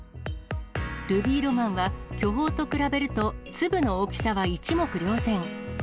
ルビーロマンは、巨峰と比べると、粒の大きさは一目瞭然。